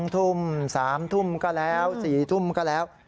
๒ทุ่ม๓ทุ่มก็แล้ว๔ทุ่มก็แล้ว